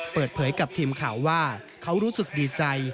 เปิดเผยกับทีมข่าวว่าเขารู้สึกดีใจ